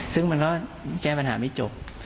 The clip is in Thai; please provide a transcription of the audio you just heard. ซึ่งมันก็แก้ปัญหาไม่จบ